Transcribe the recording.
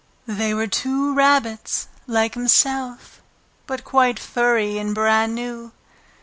They were rabbits like himself, but quite furry and brand new.